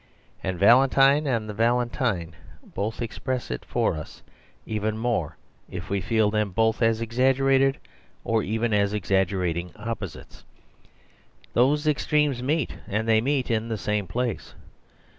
And Val entine and the valentine both express it for us; even more if we feel them both as exag gerated, or even as exaggerating opposites. Those extremes meet; and they meet in the same place.